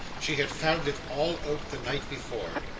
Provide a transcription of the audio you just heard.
She had found it all out the night before.